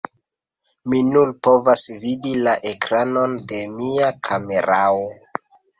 Mi nur povas vidi la ekranon de mia kamerao